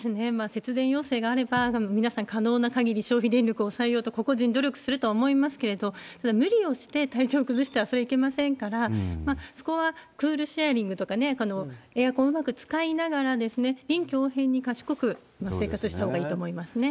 節電要請があれば、皆さん可能な限り、消費電力を抑えようと、個々人努力すると思いますけれども、無理をして体調崩したら、それはいけませんから、そこはクールシェアリングとか、エアコンをうまく使いながら、臨機応変に賢く生活したほうがいいと思いますね。